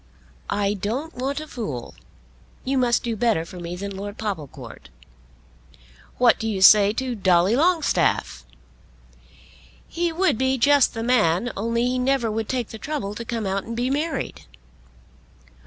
"I don't want a fool. You must do better for me than Lord Popplecourt." "What do you say to Dolly Longstaff?" "He would be just the man, only he never would take the trouble to come out and be married."